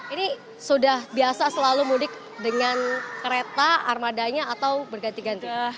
ini sudah biasa selalu mudik dengan kereta armadanya atau berganti ganti